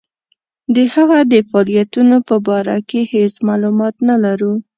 د هغه د فعالیتونو په باره کې هیڅ معلومات نه لرو.